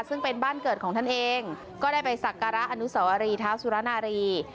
ซึ่งเป็นบ้านเกิดของท่านเองก็ได้ไปสักการะอนุสวรีเท้าสุรนารี